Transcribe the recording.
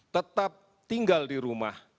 tetap tinggal di rumah